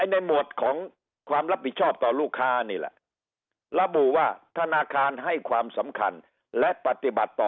หมวดของความรับผิดชอบต่อลูกค้านี่แหละระบุว่าธนาคารให้ความสำคัญและปฏิบัติต่อ